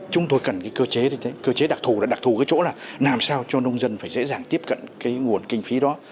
chúng tôi cần cơ chế đặc thủ đặc thủ là làm sao cho nông dân dễ dàng tiếp cận nguồn kinh phí đó